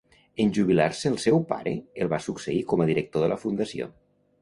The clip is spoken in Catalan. En jubilar-se el seu pare, el va succeir com a director de la Fundació.